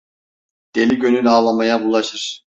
Deli gönül ağlamaya bulaşır.